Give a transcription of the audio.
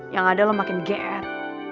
yang ada lo makin ger